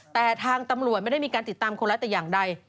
แต่ทางตำรวจไม่ได้มีการติดตามคนร้ายแต่อย่างใด